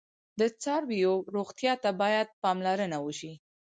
د څارویو روغتیا ته باید پاملرنه وشي.